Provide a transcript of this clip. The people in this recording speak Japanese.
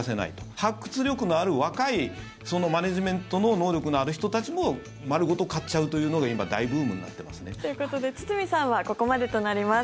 発掘力のある若いマネジメントの能力のある人たちも丸ごと買っちゃうというのが今、大ブームになってますね。ということで堤さんはここまでとなります。